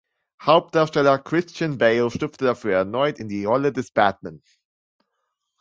Hauptdarsteller Christian Bale schlüpfte dafür erneut in die Rolle des Batman.